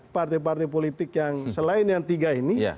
partai partai politik yang selain yang tiga ini